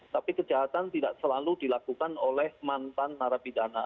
tapi kejahatan tidak selalu dilakukan oleh mantan narapidana